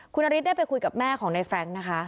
คุณนฤทธิได้ไปคุยกับแม่ของในแฟรงค์นะคะ